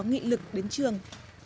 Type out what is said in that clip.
có nghị lực đến trường